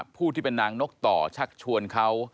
ผู้ที่เป็นนางนกต่อชักชวนเขา